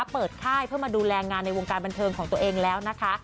ค่ายเพื่อมาดูแลงานในวงการบันเทิงของตัวเองแล้วนะคะ